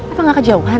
apa nggak kejauhan